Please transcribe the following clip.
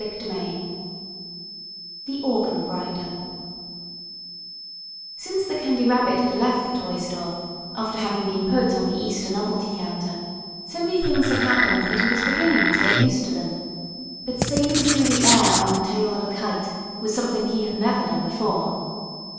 CHAPTER V THE ORGAN GRINDER Since the Candy Rabbit had left the toy store, after having been put on the Easter novelty counter, so many things had happened that he was beginning to get used to them. But sailing through the air on the tail of a kite was something he had never done before.